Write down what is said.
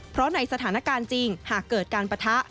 เพราะในสถานการณ์จริงหากเกิดการปะทะ